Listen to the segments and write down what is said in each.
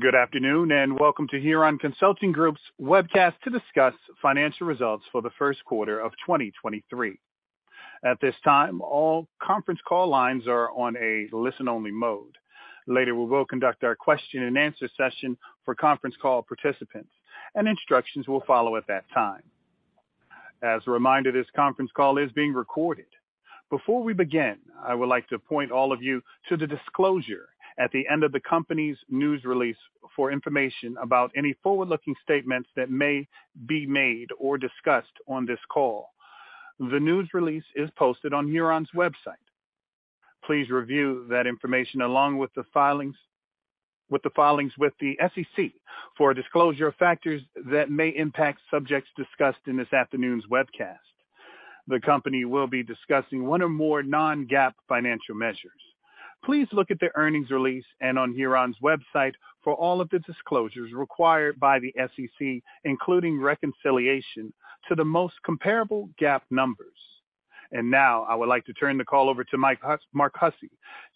Good afternoon, welcome to Huron Consulting Group's webcast to discuss financial results for the first quarter of 2023. At this time, all conference call lines are on a listen-only mode. Later, we will conduct our question-and-answer session for conference call participants, instructions will follow at that time. As a reminder, this conference call is being recorded. Before we begin, I would like to point all of you to the disclosure at the end of the company's news release for information about any forward-looking statements that may be made or discussed on this call. The news release is posted on Huron's website. Please review that information along with the filings with the SEC for disclosure of factors that may impact subjects discussed in this afternoon's webcast. The company will be discussing one or more non-GAAP financial measures. Please look at the earnings release and on Huron's website for all of the disclosures required by the SEC, including reconciliation to the most comparable GAAP numbers. Now I would like to turn the call over to Mark Hussey,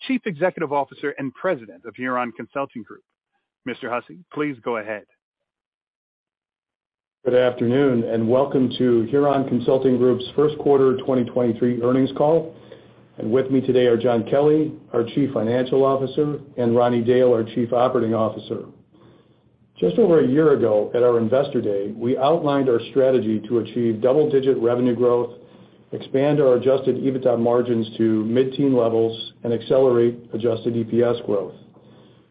Chief Executive Officer and President of Huron Consulting Group. Mr. Hussey, please go ahead. Good afternoon, and welcome to Huron Consulting Group's First Quarter 2023 Earnings Call. With me today are John Kelly, our Chief Financial Officer, and Ronnie Dail, our Chief Operating Officer. Just over a year ago, at our Investor Day, we outlined our strategy to achieve double-digit revenue growth, expand our adjusted EBITDA margins to mid-teen levels, and accelerate adjusted EPS growth.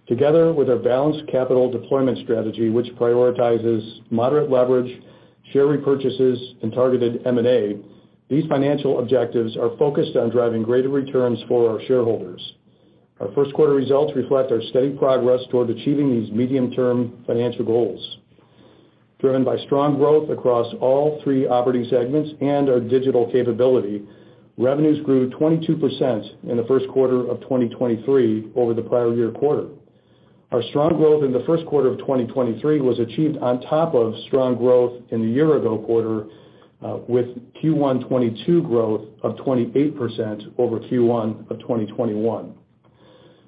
Together with our balanced capital deployment strategy, which prioritizes moderate leverage, share repurchases, and targeted M&A, these financial objectives are focused on driving greater returns for our shareholders. Our first quarter results reflect our steady progress toward achieving these medium-term financial goals. Driven by strong growth across all three operating segments and our digital capability, revenues grew 22% in the first quarter of 2023 over the prior year quarter. Our strong growth in the first quarter of 2023 was achieved on top of strong growth in the year-ago quarter, with Q1 2022 growth of 28% over Q1 2021.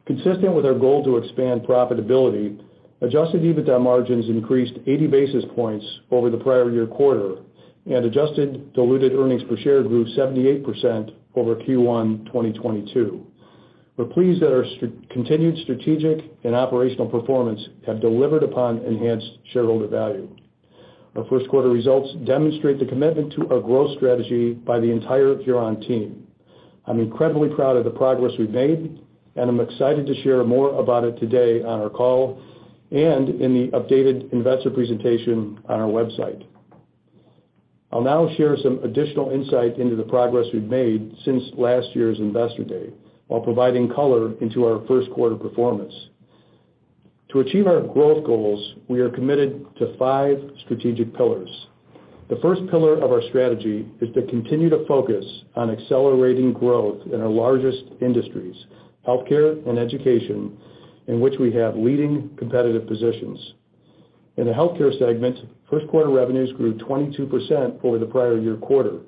Consistent with our goal to expand profitability, adjusted EBITDA margins increased 80 basis points over the prior year quarter. Adjusted diluted earnings per share grew 78% over Q1 2022. We're pleased that our continued strategic and operational performance have delivered upon enhanced shareholder value. Our first quarter results demonstrate the commitment to our growth strategy by the entire Huron team. I'm incredibly proud of the progress we've made, and I'm excited to share more about it today on our call and in the updated investor presentation on our website. I'll now share some additional insight into the progress we've made since last year's Investor Day while providing color into our first quarter performance. To achieve our growth goals, we are committed to 5 strategic pillars. The first pillar of our strategy is to continue to focus on accelerating growth in our largest industries, healthcare and education, in which we have leading competitive positions. In the healthcare segment, first quarter revenues grew 22% over the prior year quarter.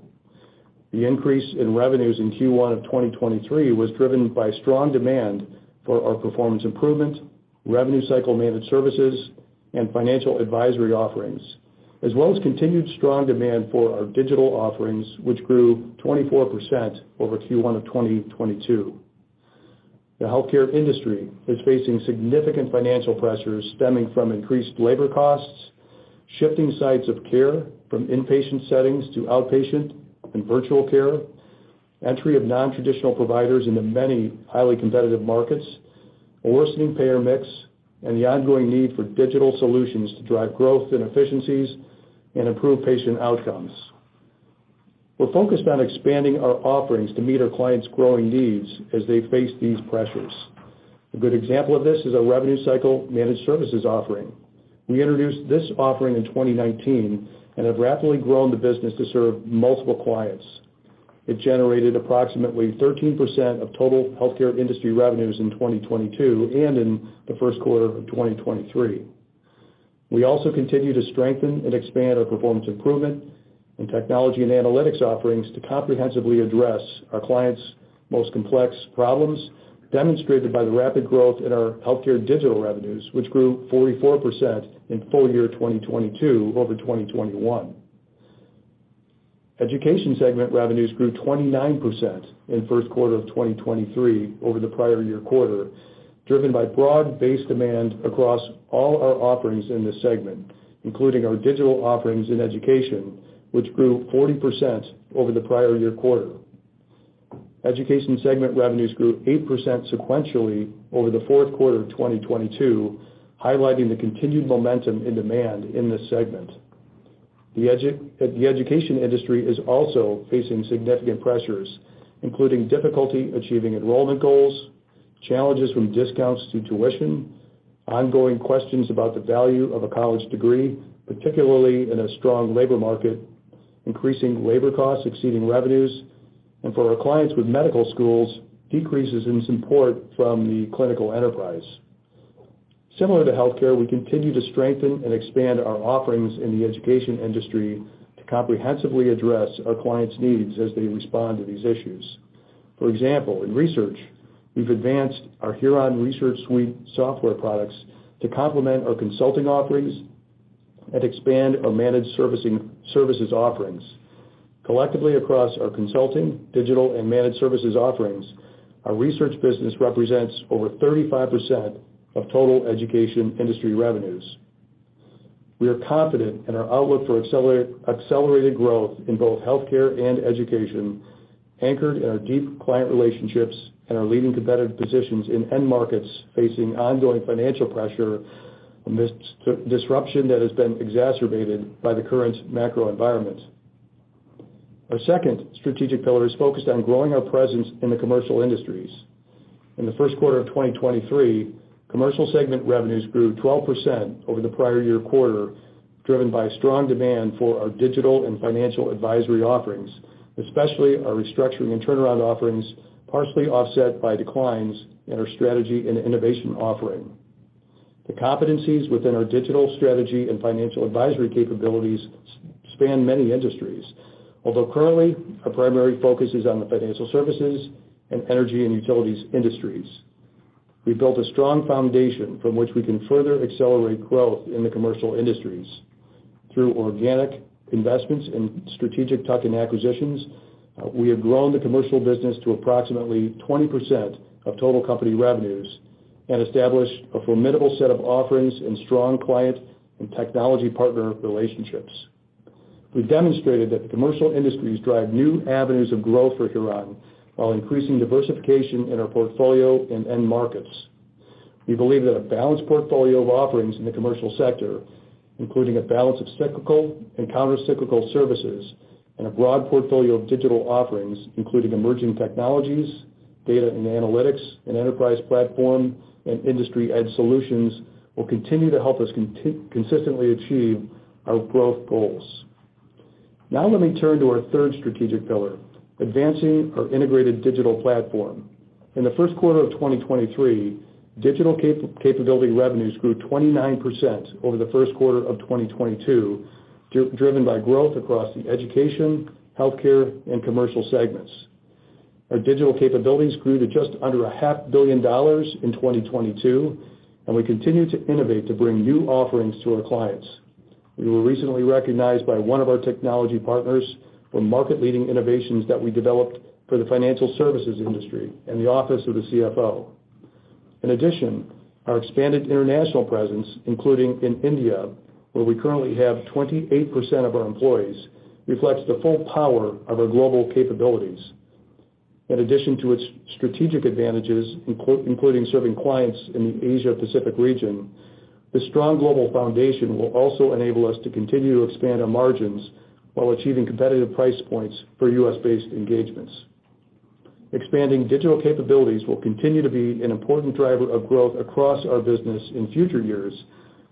The increase in revenues in Q1 of 2023 was driven by strong demand for our performance improvement, revenue cycle managed services, and financial advisory offerings, as well as continued strong demand for our digital offerings, which grew 24% over Q1 of 2022. The healthcare industry is facing significant financial pressures stemming from increased labor costs, shifting sites of care from inpatient settings to outpatient and virtual care, entry of nontraditional providers into many highly competitive markets, a worsening payer mix, and the ongoing need for digital solutions to drive growth and efficiencies and improve patient outcomes. We're focused on expanding our offerings to meet our clients' growing needs as they face these pressures. A good example of this is our revenue cycle managed services offering. We introduced this offering in 2019 and have rapidly grown the business to serve multiple clients. It generated approximately 13% of total healthcare industry revenues in 2022 and in the first quarter of 2023. We also continue to strengthen and expand our performance improvement in technology and analytics offerings to comprehensively address our clients' most complex problems, demonstrated by the rapid growth in our healthcare digital revenues, which grew 44% in full year 2022 over 2021. Education segment revenues grew 29% in first quarter of 2023 over the prior year quarter, driven by broad-based demand across all our offerings in this segment, including our digital offerings in education, which grew 40% over the prior year quarter. Education segment revenues grew 8% sequentially over the fourth quarter of 2022, highlighting the continued momentum and demand in this segment. The education industry is also facing significant pressures, including difficulty achieving enrollment goals, challenges from discounts to tuition, ongoing questions about the value of a college degree, particularly in a strong labor market, increasing labor costs exceeding revenues, and for our clients with medical schools, decreases in support from the clinical enterprise. Similar to healthcare, we continue to strengthen and expand our offerings in the education industry to comprehensively address our clients' needs as they respond to these issues. For example, in research, we've advanced our Huron Research Suite software products to complement our consulting offerings and expand our managed services offerings. Collectively across our consulting, digital, and managed services offerings, our research business represents over 35% of total education industry revenues. We are confident in our outlook for accelerated growth in both healthcare and education, anchored in our deep client relationships and our leading competitive positions in end markets facing ongoing financial pressure amidst disruption that has been exacerbated by the current macro environment. Our second strategic pillar is focused on growing our presence in the commercial industries. In the first quarter of 2023, commercial segment revenues grew 12% over the prior year quarter, driven by strong demand for our digital and financial advisory offerings, especially our restructuring and turnaround offerings, partially offset by declines in our strategy and innovation offering. The competencies within our digital strategy and financial advisory capabilities span many industries, although currently, our primary focus is on the financial services and energy and utilities industries. We've built a strong foundation from which we can further accelerate growth in the commercial industries. Through organic investments in strategic tuck-in acquisitions, we have grown the commercial business to approximately 20% of total company revenues and established a formidable set of offerings and strong client and technology partner relationships. We've demonstrated that the commercial industries drive new avenues of growth for Huron while increasing diversification in our portfolio and end markets. We believe that a balanced portfolio of offerings in the commercial sector, including a balance of cyclical and counter-cyclical services and a broad portfolio of digital offerings, including emerging technologies, data and analytics, and enterprise platform and industry edge solutions, will continue to help us consistently achieve our growth goals. Let me turn to our third strategic pillar, advancing our integrated digital platform. In the first quarter of 2023, digital capability revenues grew 29% over the first quarter of 2022, driven by growth across the education, healthcare, and commercial segments. Our digital capabilities grew to just under a half billion dollars in 2022, and we continue to innovate to bring new offerings to our clients. We were recently recognized by one of our technology partners for market-leading innovations that we developed for the financial services industry and the office of the CFO. In addition, our expanded international presence, including in India, where we currently have 28% of our employees, reflects the full power of our global capabilities. In addition to its strategic advantages, including serving clients in the Asia Pacific region, the strong global foundation will also enable us to continue to expand our margins while achieving competitive price points for US-based engagements. Expanding digital capabilities will continue to be an important driver of growth across our business in future years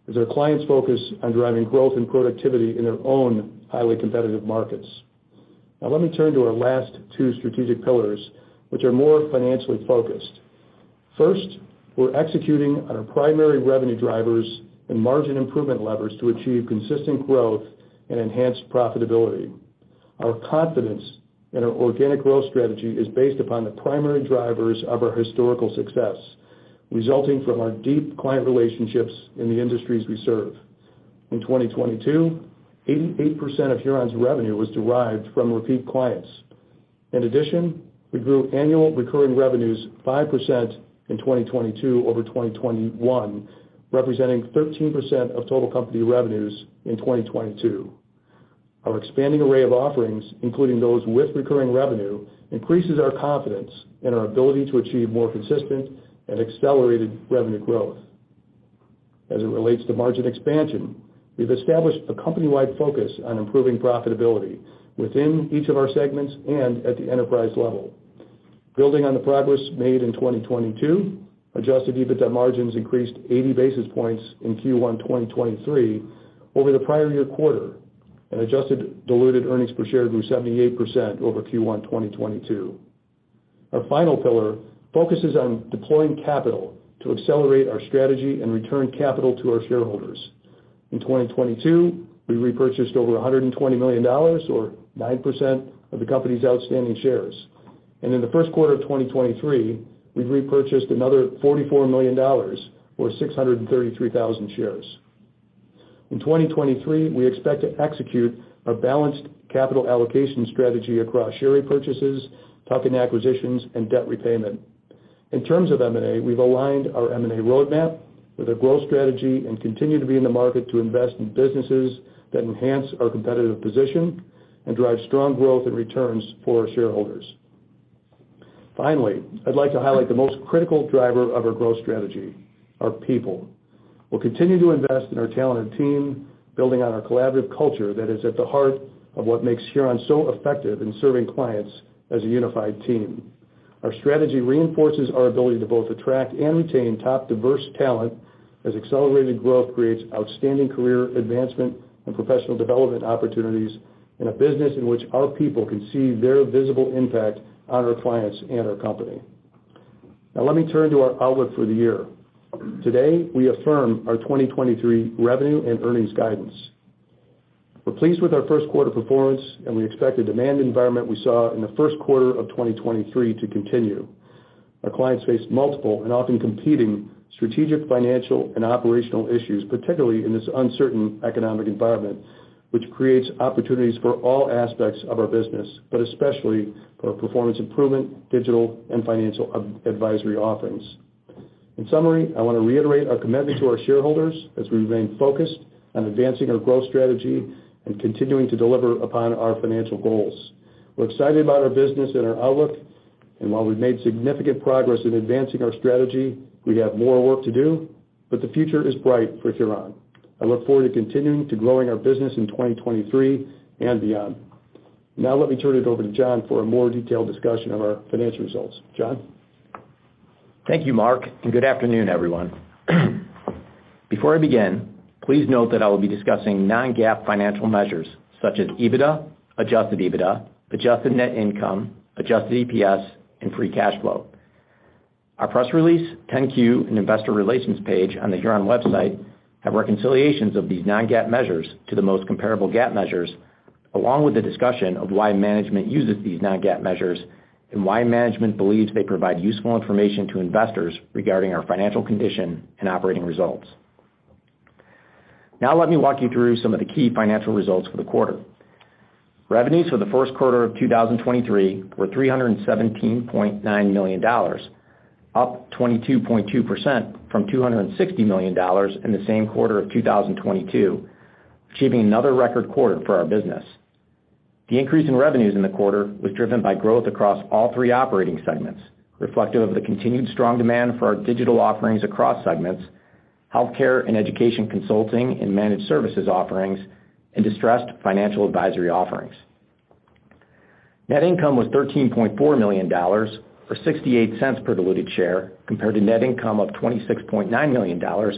as our clients focus on driving growth and productivity in their own highly competitive markets. Let me turn to our last two strategic pillars, which are more financially focused. First, we're executing on our primary revenue drivers and margin improvement levers to achieve consistent growth and enhanced profitability. Our confidence in our organic growth strategy is based upon the primary drivers of our historical success, resulting from our deep client relationships in the industries we serve. In 2022, 88% of Huron's revenue was derived from repeat clients. In addition, we grew annual recurring revenues 5% in 2022 over 2021, representing 13% of total company revenues in 2022. Our expanding array of offerings, including those with recurring revenue, increases our confidence in our ability to achieve more consistent and accelerated revenue growth. As it relates to margin expansion, we've established a company-wide focus on improving profitability within each of our segments and at the enterprise level. Building on the progress made in 2022, adjusted EBITDA margins increased 80 basis points in Q1 2023 over the prior year quarter, adjusted diluted earnings per share grew 78% over Q1 2022. Our final pillar focuses on deploying capital to accelerate our strategy and return capital to our shareholders. In 2022, we repurchased over $120 million, or 9% of the company's outstanding shares. In the first quarter of 2023, we've repurchased another $44 million, or 633,000 shares. In 2023, we expect to execute a balanced capital allocation strategy across share repurchases, tuck-in acquisitions, and debt repayment. In terms of M&A, we've aligned our M&A roadmap with our growth strategy and continue to be in the market to invest in businesses that enhance our competitive position and drive strong growth and returns for our shareholders. I'd like to highlight the most critical driver of our growth strategy, our people. We'll continue to invest in our talented team, building on our collaborative culture that is at the heart of what makes Huron so effective in serving clients as a unified team. Our strategy reinforces our ability to both attract and retain top diverse talent as accelerated growth creates outstanding career advancement and professional development opportunities in a business in which our people can see their visible impact on our clients and our company. Now let me turn to our outlook for the year. Today, we affirm our 2023 revenue and earnings guidance. We're pleased with our first quarter performance, and we expect the demand environment we saw in the first quarter of 2023 to continue. Our clients face multiple and often competing strategic, financial, and operational issues, particularly in this uncertain economic environment, which creates opportunities for all aspects of our business, but especially for our performance improvement, digital, and financial advisory offerings. In summary, I wanna reiterate our commitment to our shareholders as we remain focused on advancing our growth strategy and continuing to deliver upon our financial goals. We're excited about our business and our outlook, and while we've made significant progress in advancing our strategy, we have more work to do, but the future is bright for Huron. I look forward to continuing to growing our business in 2023 and beyond. Let me turn it over to John for a more detailed discussion of our financial results. John? Thank you, Mark. Good afternoon, everyone. Before I begin, please note that I will be discussing non-GAAP financial measures such as EBITDA, adjusted EBITDA, adjusted net income, adjusted EPS, and free cash flow. Our press release, 10-Q, and investor relations page on the Huron website have reconciliations of these non-GAAP measures to the most comparable GAAP measures, along with the discussion of why management uses these non-GAAP measures and why management believes they provide useful information to investors regarding our financial condition and operating results. Now let me walk you through some of the key financial results for the quarter. Revenues for the first quarter of 2023 were $317.9 million, up 22.2% from $260 million in the same quarter of 2022, achieving another record quarter for our business. The increase in revenues in the quarter was driven by growth across all three operating segments, reflective of the continued strong demand for our digital offerings across segments, healthcare and education consulting and managed services offerings, and distressed financial advisory offerings. Net income was $13.4 million, or $0.68 per diluted share, compared to net income of $26.9 million, or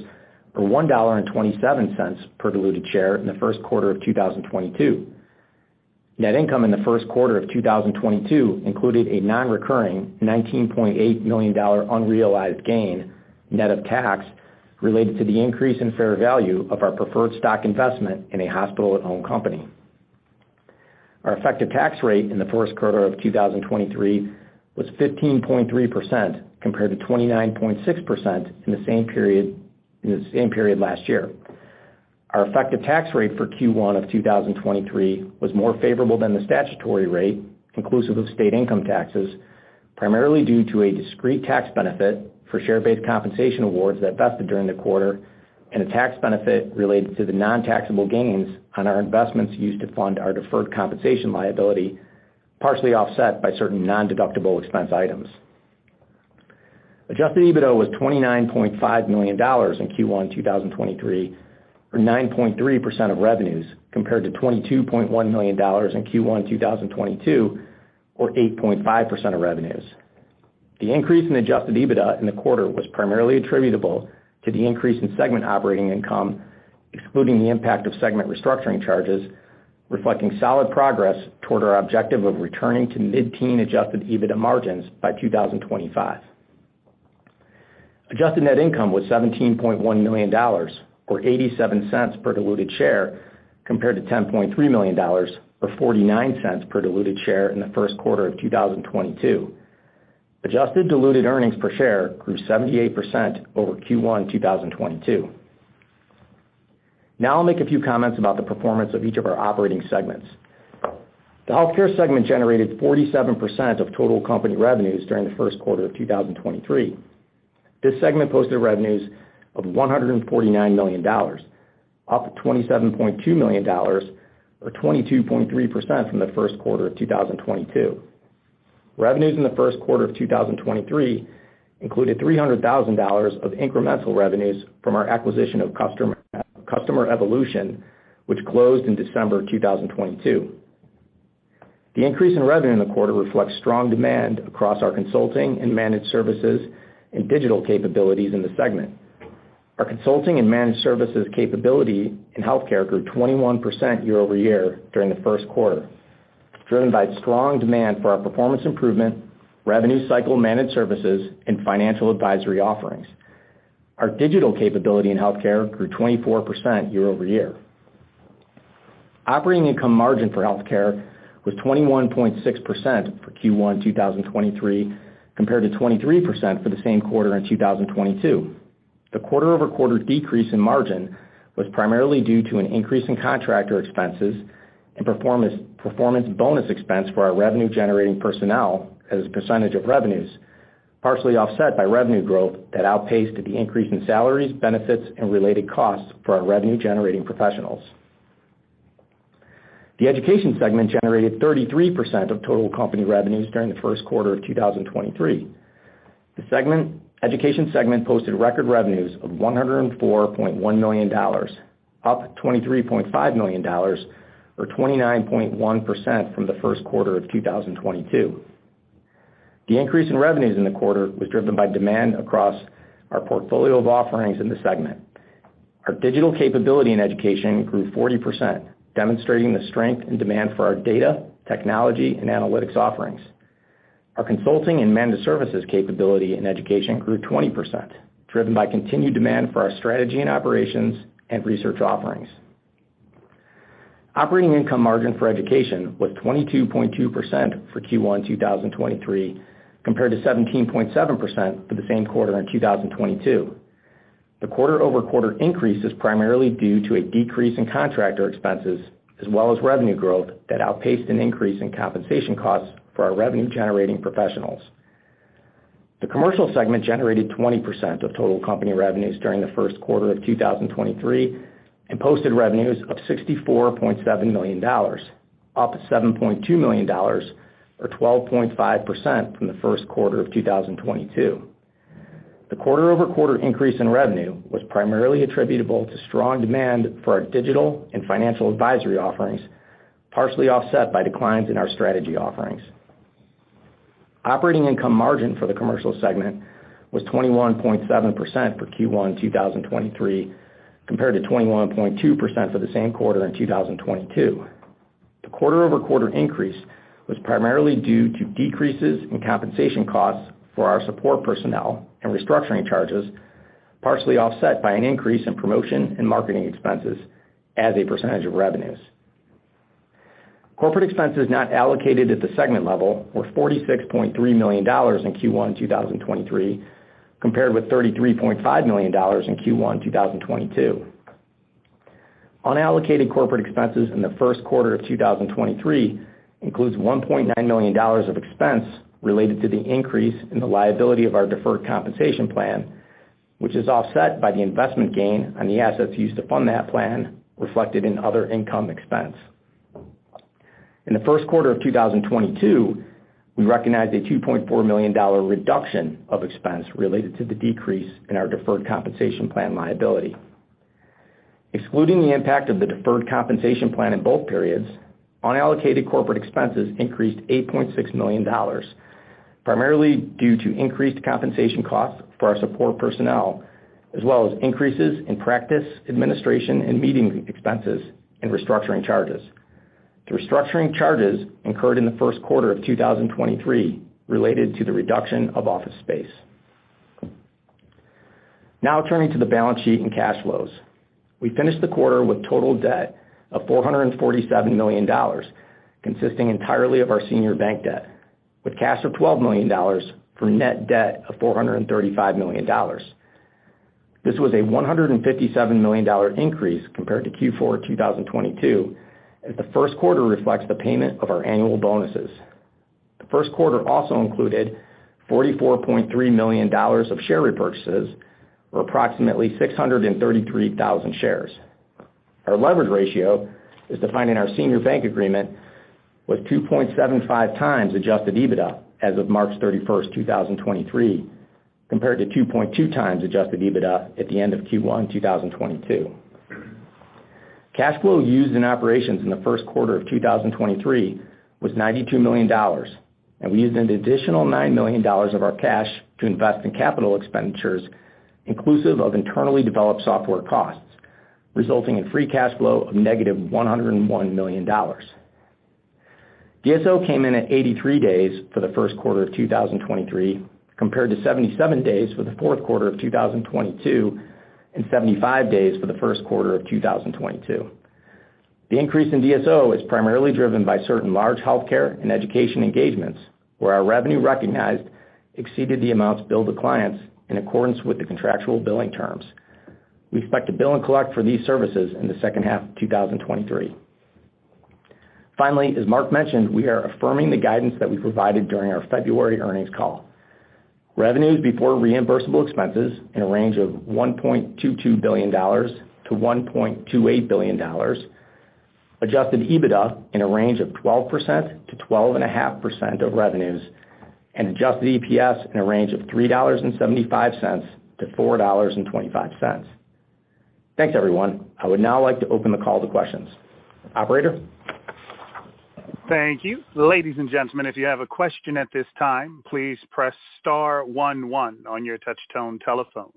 $1.27 per diluted share in the first quarter of 2022. Net income in the first quarter of 2022 included a non-recurring $19.8 million unrealized gain, net of tax, related to the increase in fair value of our preferred stock investment in a hospital-owned company. Our effective tax rate in the first quarter of 2023 was 15.3% compared to 29.6% in the same period last year. Our effective tax rate for Q1 of 2023 was more favorable than the statutory rate, inclusive of state income taxes, primarily due to a discrete tax benefit for share-based compensation awards that vested during the quarter, and a tax benefit related to the non-taxable gains on our investments used to fund our deferred compensation liability, partially offset by certain nondeductible expense items. Adjusted EBITDA was $29.5 million in Q1 2023, or 9.3% of revenues, compared to $22.1 million in Q1 2022, or 8.5% of revenues. The increase in adjusted EBITDA in the quarter was primarily attributable to the increase in segment operating income, excluding the impact of segment restructuring charges, reflecting solid progress toward our objective of returning to mid-teen adjusted EBITDA margins by 2025. Adjusted net income was $17.1 million, or $0.87 per diluted share, compared to $10.3 million, or $0.49 per diluted share in the first quarter of 2022. Adjusted diluted earnings per share grew 78% over Q1 2022. I'll make a few comments about the performance of each of our operating segments. The healthcare segment generated 47% of total company revenues during the first quarter of 2023. This segment posted revenues of $149 million, up $27.2 million, or 22.3% from the first quarter of 2022. Revenues in the first quarter of 2023 included $300,000 of incremental revenues from our acquisition of Customer Evolution, which closed in December of 2022. The increase in revenue in the quarter reflects strong demand across our consulting and managed services and digital capabilities in the segment. Our consulting and managed services capability in healthcare grew 21% year-over-year during the first quarter, driven by strong demand for our performance improvement, revenue cycle managed services, and financial advisory offerings. Our digital capability in healthcare grew 24% year-over-year. Operating income margin for healthcare was 21.6% for Q1 2023 compared to 23% for the same quarter in 2022. The quarter-over-quarter decrease in margin was primarily due to an increase in contractor expenses and performance bonus expense for our revenue-generating personnel as a percentage of revenues, partially offset by revenue growth that outpaced the increase in salaries, benefits, and related costs for our revenue-generating professionals. The education segment generated 33% of total company revenues during the first quarter of 2023. Education segment posted record revenues of $104.1 million, up $23.5 million, or 29.1% from the first quarter of 2022. The increase in revenues in the quarter was driven by demand across our portfolio of offerings in the segment. Our digital capability in education grew 40%, demonstrating the strength and demand for our data, technology, and analytics offerings. Our consulting and managed services capability in education grew 20%, driven by continued demand for our strategy and operations and research offerings. Operating income margin for education was 22.2% for Q1 2023, compared to 17.7% for the same quarter in 2022. The quarter-over-quarter increase is primarily due to a decrease in contractor expenses as well as revenue growth that outpaced an increase in compensation costs for our revenue-generating professionals. The commercial segment generated 20% of total company revenues during the first quarter of 2023 and posted revenues of $64.7 million, up $7.2 million, or 12.5% from the first quarter of 2022. The quarter-over-quarter increase in revenue was primarily attributable to strong demand for our digital and financial advisory offerings, partially offset by declines in our strategy offerings. Operating income margin for the commercial segment was 21.7% for Q1 2023, compared to 21.2% for the same quarter in 2022. The quarter-over-quarter increase was primarily due to decreases in compensation costs for our support personnel and restructuring charges, partially offset by an increase in promotion and marketing expenses as a percentage of revenues. Corporate expenses not allocated at the segment level were $46.3 million in Q1 2023, compared with $33.5 million in Q1 2022. Unallocated corporate expenses in the first quarter of 2023 includes $1.9 million of expense related to the increase in the liability of our deferred compensation plan, which is offset by the investment gain on the assets used to fund that plan reflected in other income expense. In the first quarter of 2022, we recognized a $2.4 million reduction of expense related to the decrease in our deferred compensation plan liability. Excluding the impact of the deferred compensation plan in both periods, unallocated corporate expenses increased $8.6 million, primarily due to increased compensation costs for our support personnel, as well as increases in practice, administration, and meeting expenses and restructuring charges. The restructuring charges incurred in the first quarter of 2023 related to the reduction of office space. Turning to the balance sheet and cash flows. We finished the quarter with total debt of $447 million, consisting entirely of our senior bank debt, with cash of $12 million for net debt of $435 million. This was a $157 million increase compared to Q4 2022, as the first quarter reflects the payment of our annual bonuses. The first quarter also included $44.3 million of share repurchases, or approximately 633,000 shares. Our leverage ratio is defined in our senior bank agreement with 2.75x adjusted EBITDA as of March 31st, 2023, compared to 2.2x adjusted EBITDA at the end of Q1 2022. Cash flow used in operations in the first quarter of 2023 was $92 million, we used an additional $9 million of our cash to invest in capital expenditures, inclusive of internally developed software costs, resulting in free cash flow of -$101 million. DSO came in at 83 days for the first quarter of 2023, compared to 77 days for the fourth quarter of 2022 and 75 days for the first quarter of 2022. The increase in DSO is primarily driven by certain large healthcare and education engagements where our revenue recognized exceeded the amounts billed to clients in accordance with the contractual billing terms. We expect to bill and collect for these services in the second half of 2023. As Mark mentioned, we are affirming the guidance that we provided during our February earnings call. Revenues before reimbursable expenses in a range of $1.22 billion-$1.28 billion, adjusted EBITDA in a range of 12%-12.5% of revenues, and adjusted EPS in a range of $3.75-$4.25. Thanks, everyone. I would now like to open the call to questions. Operator? Thank you. Ladies and gentlemen, if you have a question at this time, please press star one one on your touch tone telephone.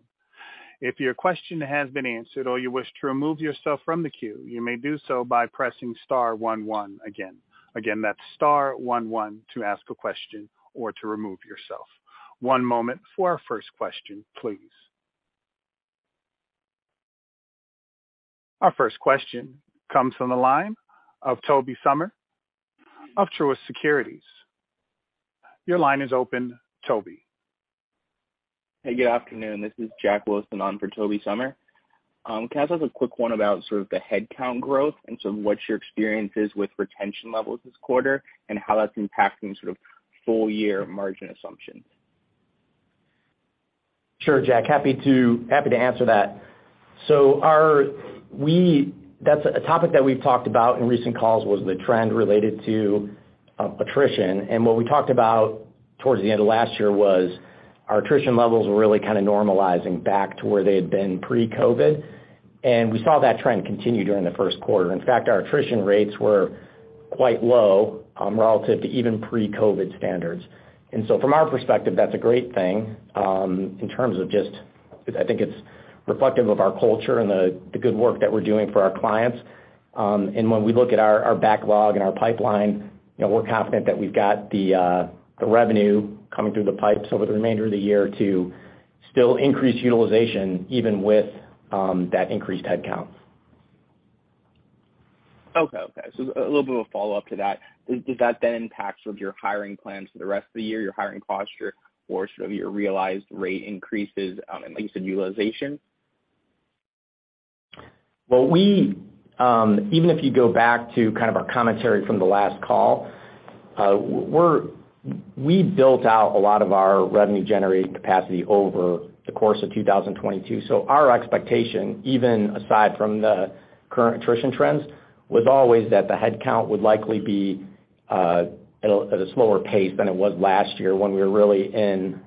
If your question has been answered or you wish to remove yourself from the queue, you may do so by pressing star one one again. Again, that's star one one to ask a question or to remove yourself. One moment for our first question, please. Our first question comes from the line of Tobey Sommer of Truist Securities. Your line is open, Toby. Hey, good afternoon. This is Jack Wilson on for Tobey Sommer. Can I ask a quick one about sort of the headcount growth and sort of what your experience is with retention levels this quarter and how that's impacting sort of full year margin assumptions? Sure, Jack. Happy to, happy to answer that. That's a topic that we've talked about in recent calls was the trend related to attrition. What we talked about towards the end of last year was our attrition levels were really kind of normalizing back to where they had been pre-COVID, and we saw that trend continue during the first quarter. In fact, our attrition rates were quite low, relative to even pre-COVID standards. From our perspective, that's a great thing, in terms of I think it's reflective of our culture and the good work that we're doing for our clients. When we look at our backlog and our pipeline, you know, we're confident that we've got the revenue coming through the pipes over the remainder of the year to still increase utilization even with that increased headcount. Okay. Okay. A little bit of a follow-up to that. Does that then impact sort of your hiring plans for the rest of the year, your hiring posture or sort of your realized rate increases, in leaps in utilization? Well, we, even if you go back to kind of our commentary from the last call, we built out a lot of our revenue generating capacity over the course of 2022. Our expectation, even aside from the current attrition trends, was always that the headcount would likely be at a slower pace than it was last year when we were really in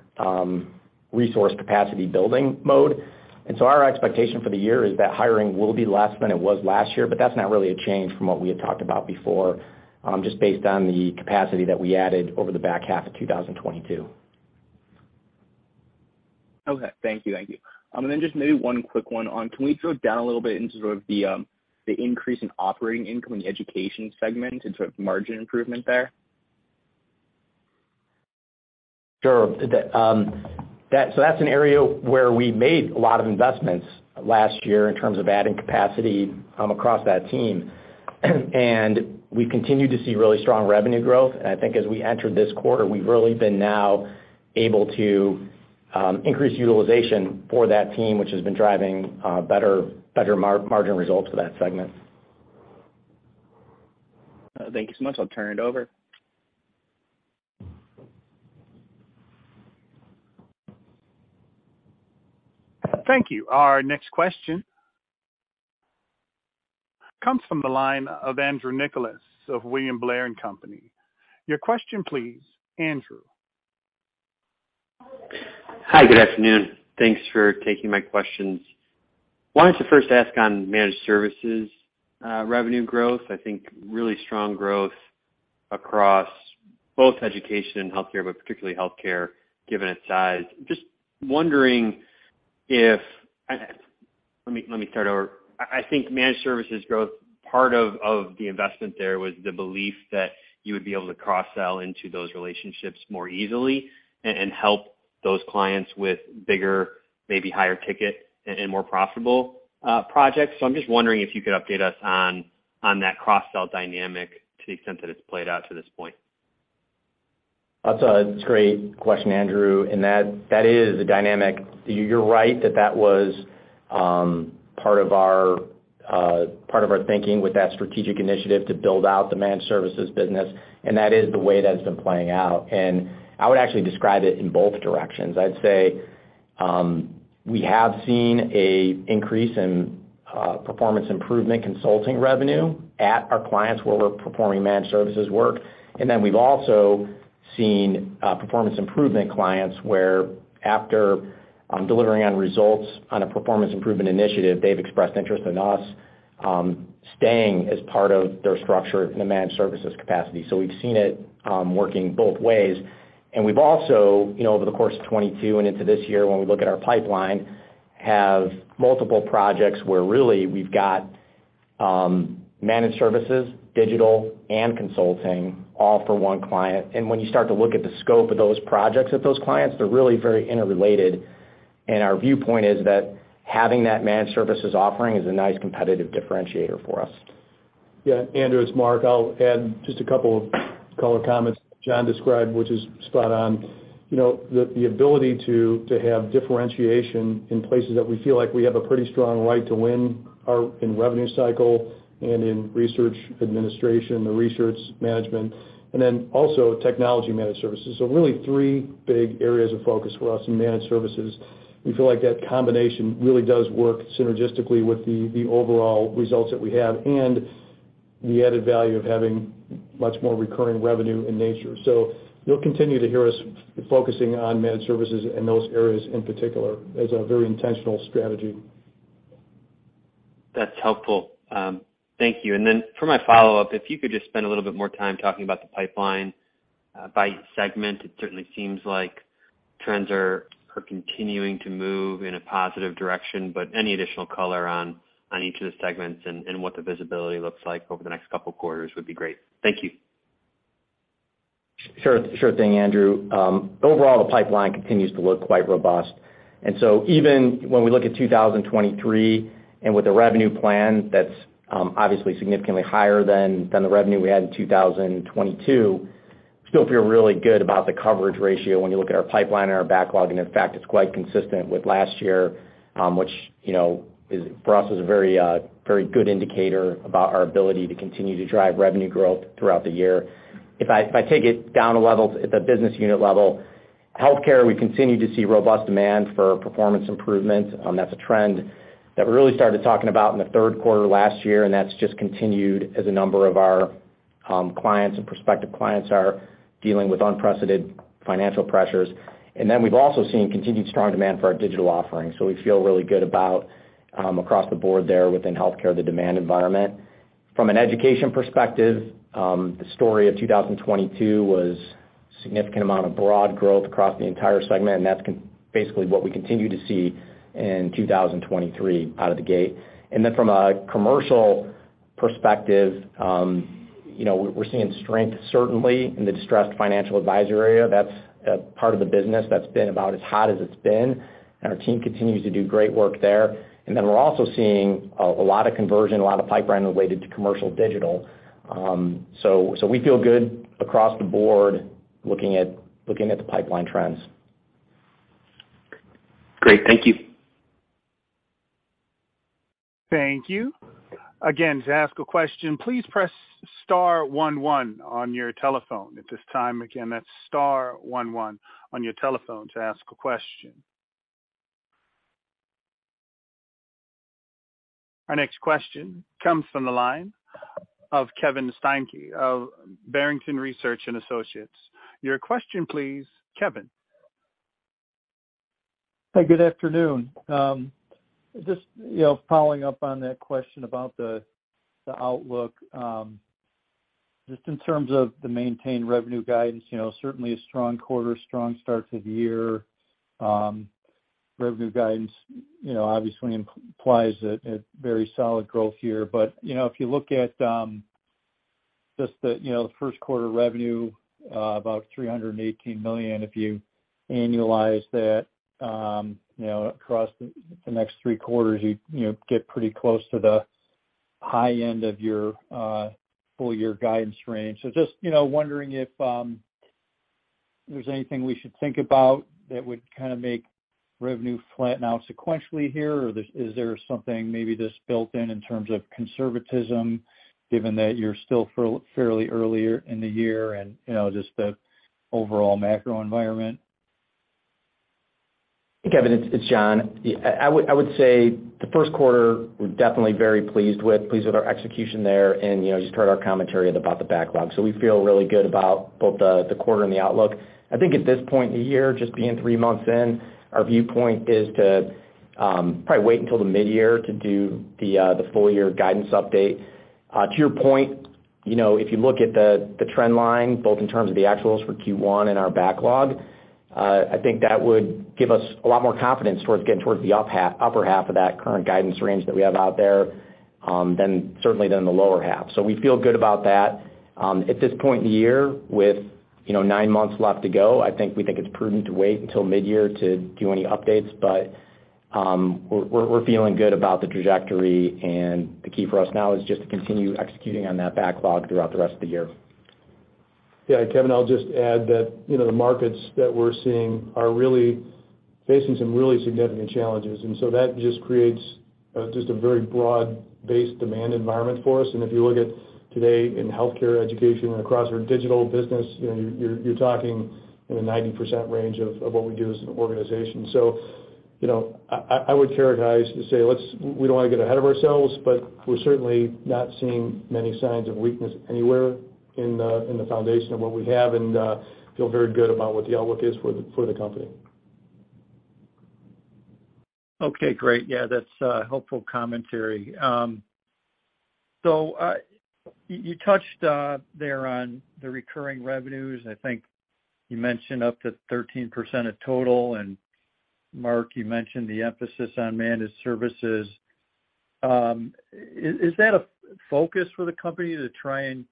resource capacity building mode. Our expectation for the year is that hiring will be less than it was last year, but that's not really a change from what we had talked about before, just based on the capacity that we added over the back half of 2022. Okay. Thank you. Thank you. Then just maybe one quick one on, can we drill down a little bit into sort of the increase in operating income in the education segment in sort of margin improvement there? Sure. That's an area where we made a lot of investments last year in terms of adding capacity across that team. We continue to see really strong revenue growth. I think as we entered this quarter, we've really been now able to increase utilization for that team, which has been driving better margin results for that segment. Thank you so much. I'll turn it over. Thank you. Our next question comes from the line of Andrew Nicholas of William Blair & Company. Your question, please, Andrew. Hi. Good afternoon. Thanks for taking my questions. Wanted to first ask on managed services revenue growth. I think really strong growth across both education and healthcare, but particularly healthcare, given its size. Let me start over. I think managed services growth, part of the investment there was the belief that you would be able to cross-sell into those relationships more easily and help those clients with bigger, maybe higher ticket and more profitable projects. I'm just wondering if you could update us on that cross-sell dynamic to the extent that it's played out to this point. That's a great question, Andrew. That is the dynamic. You're right that that was part of our thinking with that strategic initiative to build out the managed services business, and that is the way that's been playing out. I would actually describe it in both directions. I'd say, we have seen a increase in performance improvement consulting revenue at our clients where we're performing managed services work. Then we've also seen performance improvement clients, where after delivering on results on a performance improvement initiative, they've expressed interest in us staying as part of their structure in the managed services capacity. We've seen it working both ways. We've also, you know, over the course of 2022 and into this year when we look at our pipeline, have multiple projects where really we've got managed services, digital, and consulting all for one client. When you start to look at the scope of those projects at those clients, they're really very interrelated. Our viewpoint is that having that managed services offering is a nice competitive differentiator for us. Yeah, Andrew, it's Mark. I'll add just a couple of color comments. John described, which is spot on. You know, the ability to have differentiation in places that we feel like we have a pretty strong right to win are in revenue cycle and in research administration, the research management, and then also technology managed services. Really 3 big areas of focus for us in managed services. We feel like that combination really does work synergistically with the overall results that we have and the added value of having much more recurring revenue in nature. You'll continue to hear us focusing on managed services in those areas in particular as a very intentional strategy. That's helpful. Thank you. Then for my follow-up, if you could just spend a little bit more time talking about the pipeline by segment. It certainly seems like trends are continuing to move in a positive direction, but any additional color on each of the segments and what the visibility looks like over the next couple quarters would be great. Thank you. Sure, sure thing, Andrew. Overall, the pipeline continues to look quite robust. Even when we look at 2023 and with a revenue plan that's obviously significantly higher than the revenue we had in 2022, still feel really good about the coverage ratio when you look at our pipeline and our backlog. In fact, it's quite consistent with last year, which, you know, is, for us, is a very, very good indicator about our ability to continue to drive revenue growth throughout the year. If I take it down a level, at the business unit level, healthcare, we continue to see robust demand for performance improvement. That's a trend that we really started talking about in the third quarter last year. That's just continued as a number of our clients and prospective clients are dealing with unprecedented financial pressures. We've also seen continued strong demand for our digital offerings. We feel really good about across the board there within healthcare, the demand environment. From an education perspective, the story of 2022 was significant amount of broad growth across the entire segment. That's basically what we continue to see in 2023 out of the gate. From a commercial perspective, you know, we're seeing strength certainly in the distressed financial advisory area. That's a part of the business that's been about as hot as it's been. Our team continues to do great work there. Then we're also seeing a lot of conversion, a lot of pipeline related to commercial digital. We feel good across the board looking at the pipeline trends. Great. Thank you. Thank you. Again, to ask a question, please press star one one on your telephone. At this time, again, that's star one one on your telephone to ask a question. Our next question comes from the line of Kevin Steinke of Barrington Research and Associates. Your question please, Kevin. Hey, good afternoon. Just, you know, following up on that question about the outlook, just in terms of the maintained revenue guidance. You know, certainly a strong quarter, strong start to the year. Revenue guidance, you know, obviously implies a very solid growth year. You know, if you look at, just the, you know, first quarter revenue, about $318 million, if you annualize that, you know, across the next three quarters, you know, get pretty close to the high end of your, full year guidance range. Just, you know, wondering if there's anything we should think about that would kind of make revenue flatten out sequentially here, or is there something maybe just built in in terms of conservatism given that you're still fairly earlier in the year and, you know, just the overall macro environment? Hey, Kevin, it's John. Yeah, I would say the first quarter, we're definitely very pleased with our execution there and, you know, you just heard our commentary about the backlog. We feel really good about both the quarter and the outlook. I think at this point in the year, just being 3 months in, our viewpoint is to probably wait until the midyear to do the full year guidance update. To your point, you know, if you look at the trend line, both in terms of the actuals for Q1 and our backlog, I think that would give us a lot more confidence towards getting towards the upper half of that current guidance range that we have out there, than certainly than the lower half. We feel good about that. At this point in the year with, you know, nine months left to go, I think we think it's prudent to wait until midyear to do any updates. We're feeling good about the trajectory, and the key for us now is just to continue executing on that backlog throughout the rest of the year. Kevin, I'll just add that, you know, the markets that we're seeing are really facing some really significant challenges. That just creates just a very broad-based demand environment for us. If you look at today in healthcare, education and across our digital business, you know, you're talking in the 90% range of what we do as an organization. You know, I would characterize to say, we don't wanna get ahead of ourselves, but we're certainly not seeing many signs of weakness anywhere in the foundation of what we have and feel very good about what the outlook is for the company. Okay, great. Yeah, that's helpful commentary. You, you touched there on the recurring revenues. I think you mentioned up to 13% of total. Mark, you mentioned the emphasis on managed services. Is, is that a focus for the company to try and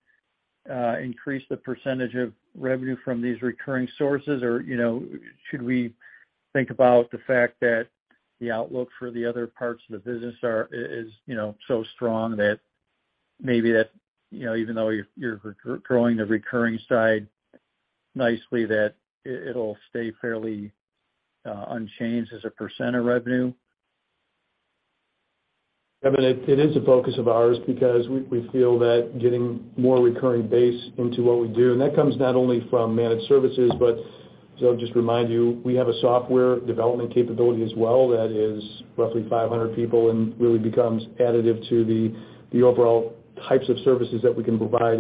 increase the percentage of revenue from these recurring sources? Or, you know, should we think about the fact that the outlook for the other parts of the business are, is, you know, so strong that maybe that, you know, even though you're growing the recurring side nicely, that it'll stay fairly unchanged as a percent of revenue? Kevin, it is a focus of ours because we feel that getting more recurring base into what we do, and that comes not only from managed services, but to just remind you, we have a software development capability as well that is roughly 500 people and really becomes additive to the overall types of services that we can provide.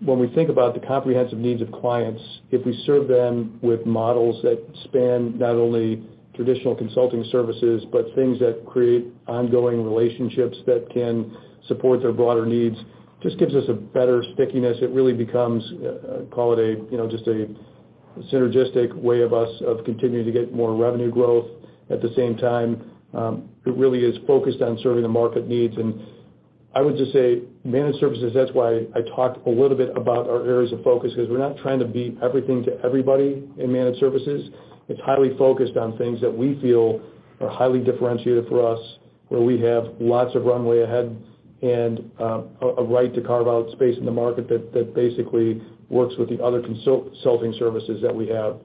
When we think about the comprehensive needs of clients, if we serve them with models that span not only traditional consulting services, but things that create ongoing relationships that can support their broader needs, just gives us a better stickiness. It really becomes, call it a, you know, just a synergistic way of us of continuing to get more revenue growth. At the same time, it really is focused on serving the market needs. I would just say managed services, that's why I talked a little bit about our areas of focus, because we're not trying to be everything to everybody in managed services. It's highly focused on things that we feel are highly differentiated for us, where we have lots of runway ahead and a right to carve out space in the market that basically works with the other consulting services that we have.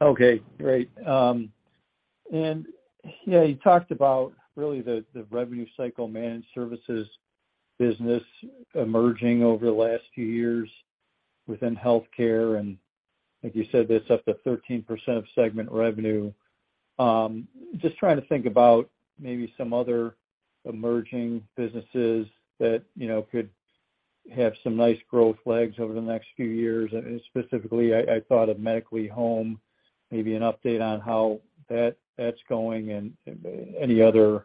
Okay, great. Yeah, you talked about really the revenue cycle managed services business emerging over the last few years within healthcare. Like you said, that's up to 13% of segment revenue. Just trying to think about maybe some other emerging businesses that, you know, could have some nice growth legs over the next few years. Specifically, I thought of Medically Home. Maybe an update on how that's going and any other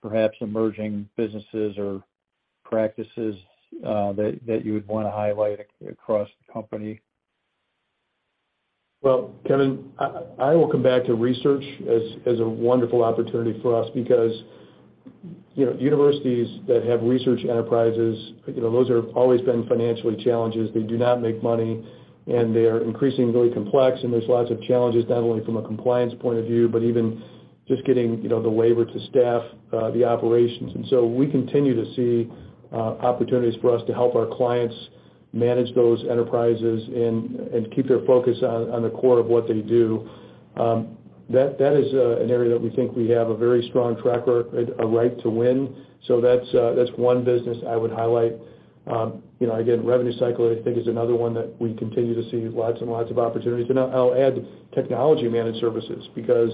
perhaps emerging businesses or practices that you would wanna highlight across the company. Well, Kevin, I will come back to research as a wonderful opportunity for us because, you know, universities that have research enterprises, you know, those have always been financially challenges. They do not make money, they are increasingly complex, there's lots of challenges, not only from a compliance point of view, but even just getting, you know, the waiver to staff the operations. We continue to see opportunities for us to help our clients manage those enterprises and keep their focus on the core of what they do. That is an area that we think we have a very strong track record, a right to win. That's one business I would highlight. You know, again, revenue cycle, I think is another one that we continue to see lots and lots of opportunities. I'll add technology managed services because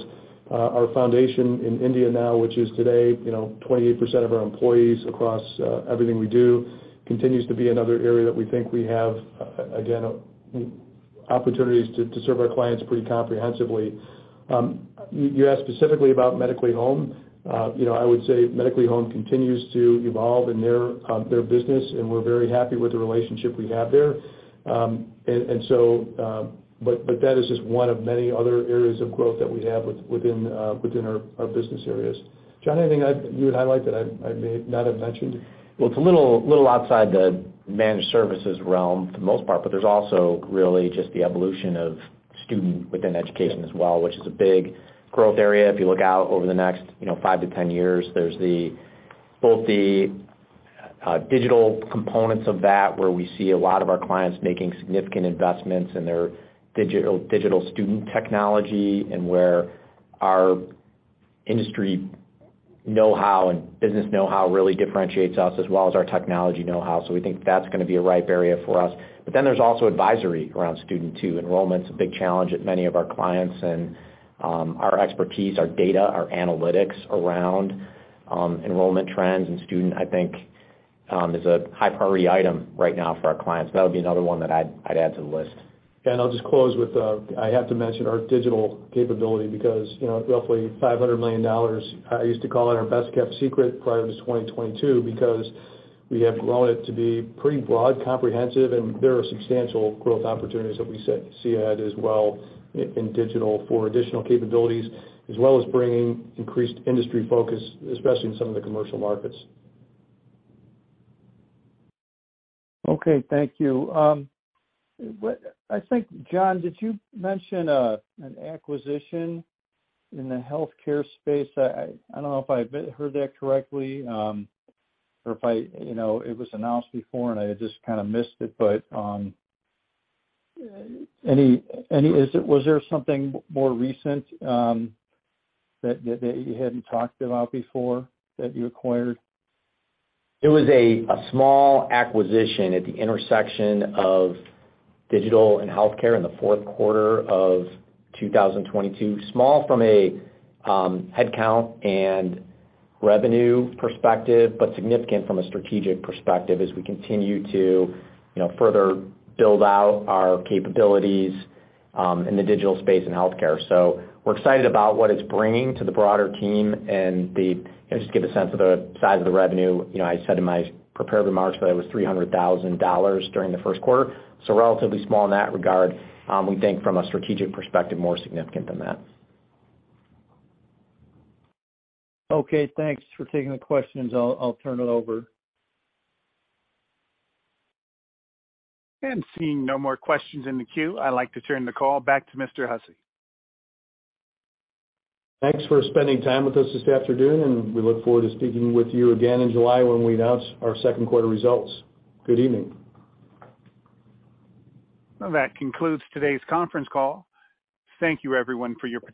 our foundation in India now, which is today, you know, 28% of our employees across everything we do, continues to be another area that we think we have, again, opportunities to serve our clients pretty comprehensively. You asked specifically about Medically Home. You know, I would say Medically Home continues to evolve in their business, and we're very happy with the relationship we have there. That is just one of many other areas of growth that we have within our business areas. John, anything you would highlight that I may not have mentioned? It's a little outside the managed services realm for the most part, but there's also really just the evolution of student within education as well, which is a big growth area. If you look out over the next, you know, 5-10 years, there's both the digital components of that, where we see a lot of our clients making significant investments in their digital student technology and where our industry know-how and business know-how really differentiates us as well as our technology know-how. We think that's gonna be a ripe area for us. There's also advisory around student too. Enrollment's a big challenge at many of our clients, and our expertise, our data, our analytics around enrollment trends and student, I think, is a high priority item right now for our clients. That would be another one that I'd add to the list. I'll just close with, I have to mention our digital capability because, you know, roughly $500 million, I used to call it our best-kept secret prior to 2022 because we have grown it to be pretty broad, comprehensive, and there are substantial growth opportunities that we see ahead as well in digital for additional capabilities, as well as bringing increased industry focus, especially in some of the commercial markets. Okay, thank you. I think, John, did you mention an acquisition in the healthcare space? I don't know if I heard that correctly, or if I, you know, it was announced before, and I just kinda missed it. Was there something more recent that you hadn't talked about before that you acquired? It was a small acquisition at the intersection of digital and healthcare in the fourth quarter of 2022. Small from a headcount and revenue perspective, but significant from a strategic perspective as we continue to, you know, further build out our capabilities in the digital space in healthcare. We're excited about what it's bringing to the broader team. Just to give a sense of the size of the revenue, you know, I said in my prepared remarks that it was $300,000 during the first quarter, so relatively small in that regard. We think from a strategic perspective, more significant than that. Okay, thanks for taking the questions. I'll turn it over. Seeing no more questions in the queue. I'd like to turn the call back to Mr. Hussey. Thanks for spending time with us this afternoon, and we look forward to speaking with you again in July when we announce our second quarter results. Good evening. Well, that concludes today's conference call. Thank you everyone for your participation.